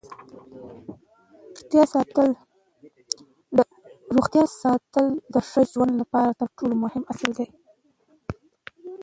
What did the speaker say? روغتیا ساتل د ښه ژوند لپاره تر ټولو مهم اصل دی